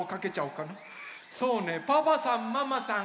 そうねパパさんママさん